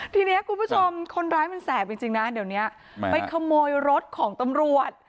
ทีนี้คุณผู้ชมคนร้ายมันแสบจริงนะเดี๋ยวนี้ไปขโมยรถของตำรวจ